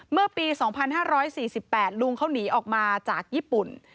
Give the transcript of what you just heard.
เมื่อปี๒๕๔๘ลุงเขาหนีออกมาจากญี่ปุ่น